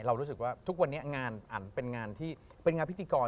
รู้สึกว่าทุกวันนี้งานอันเป็นงานที่เป็นงานพิธีกร